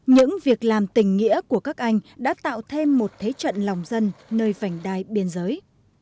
những việc làm tình nghĩa của các anh đã tạo thêm một thế trận lòng dân nơi vảnh đai biên giới